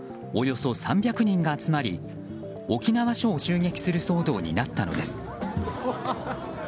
およそ３００人が集まり沖縄署を襲撃する騒動になったのです。